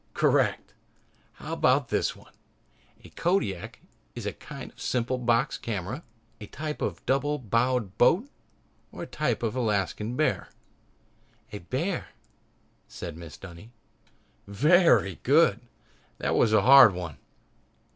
"Correct! How about this one? Is a Kodiak a kind of simple box camera; a type of double bowed boat; or a type of Alaskan bear?" "A bear," said Mrs. Dunny. "Very good," I said. "That was a hard one."